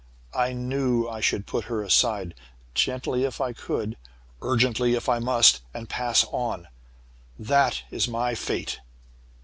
I knew I should put her aside, gently if I could, urgently, if I must, and pass on. That is my Fate!